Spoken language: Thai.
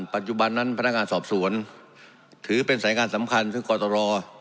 ปัจจุบันนั้นพนักงานสอบสวนถือเป็นสายงานสำคัญซึ่งกตร